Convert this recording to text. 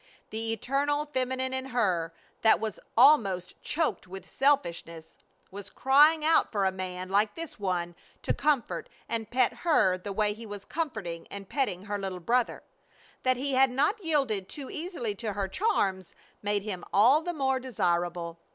The eternal feminine in her that was almost choked with selfishness was crying out for a man like this one to comfort and pet her the way he was comforting and petting her little brother. That he had not yielded too easily to her charms made him all the more desirable.